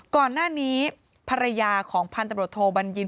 ก่อนหน้านี้ภรรยาของพันธบรดโทบัญญิน